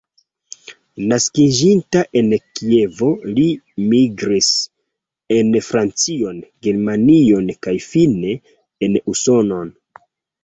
Naskiĝinta en Kievo, li migris en Francion, Germanion kaj fine en Usonon.